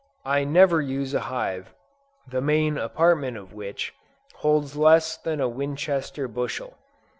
I never use a hive, the main apartment of which, holds less than a Winchester bushel.